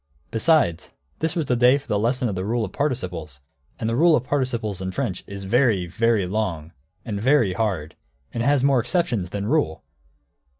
Besides, this was the day for the lesson in the rule of participles; and the rule of participles in French is very, very long, and very hard, and it has more exceptions than rule.